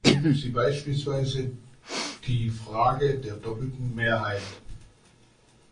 Nehmen Sie beispielsweise die Frage der doppelten Mehrheit.